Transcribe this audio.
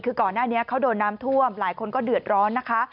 คือก่อนหน้านี้เขาโดนน้ำท่วมหลายคนก็เดือดร้อนนะคะ